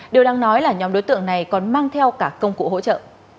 điều đáng nói là nhóm đối tượng này còn mang theo cả công cụ hỗ trợ